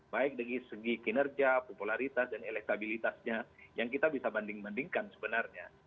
baik dari segi kinerja popularitas dan elektabilitasnya yang kita bisa banding bandingkan sebenarnya